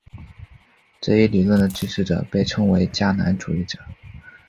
这一理论的支持者被称作迦南主义者。